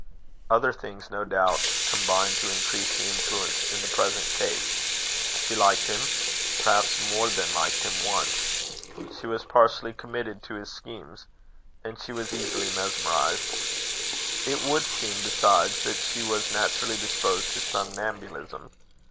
"Other things no doubt combined to increase the influence in the present case. She liked him, perhaps more than liked him once. She was partially committed to his schemes; and she was easily mesmerised. It would seem, besides, that she was naturally disposed to somnambulism.